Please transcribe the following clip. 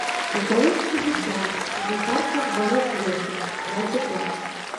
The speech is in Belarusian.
У калысцы дзіця, знахарка варыць лекі, маці плача.